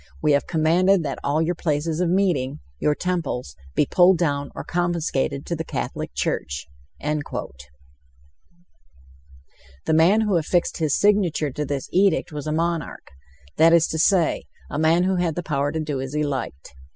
We have commanded that all your places of meeting your temples be pulled down or confiscated to the Catholic Church." The man who affixed his signature to this edict was a monarch, that is to say, a man who had the power to do as he liked.